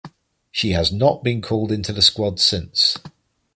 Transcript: She has not been called into the squad since.